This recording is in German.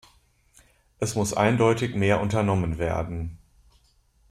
Es muss eindeutig mehr unternommen werden.